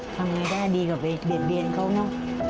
ทำไงได้ดีกว่าไปเบียดเบียนเขาเนอะ